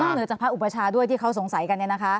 นั่งเหนือจากพระอุปชาที่เขาสงสัยกันนี่นะฮะ